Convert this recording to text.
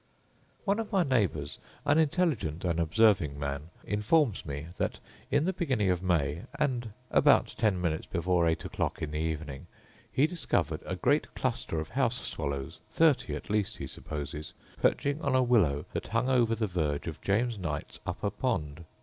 One of my neighbours, an intelligent and observing man, informs me that, in the beginning of May, and about ten minutes before eight o'clock in the evening, he discovered a great cluster of house swallows, thirty at least he supposes, perching on a willow that hung over the verge of James Knight's upper pond.